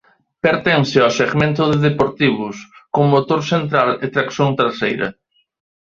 Pertence ó segmento de deportivos con motor central e tracción traseira.